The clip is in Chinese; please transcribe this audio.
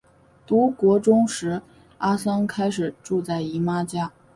读国中时阿桑开始住在姨妈家。